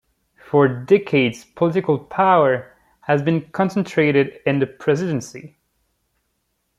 For decades, political power has been concentrated in the presidency.